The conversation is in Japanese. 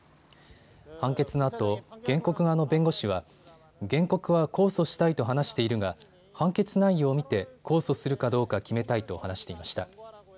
判決のあと原告側の弁護士は原告は控訴したいと話しているが判決内容を見て控訴するかどうか決めたいと話していました。